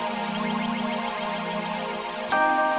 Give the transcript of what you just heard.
jadi berhenti tuh om